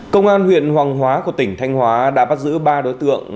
công an huyện hoàng hóa của tỉnh thanh hóa đã bắt giữ ba đối tượng